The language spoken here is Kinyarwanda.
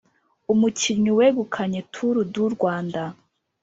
Umukinnyi wegukannye turu du Rwanda